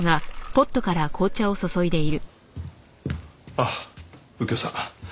あっ右京さん。